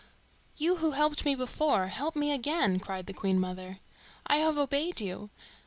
"You who helped me before, help me again!" cried the Queen mother. "I have obeyed you.